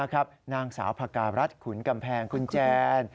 นะครับนางสาวพการัฐขุนกำแพงคุณแจน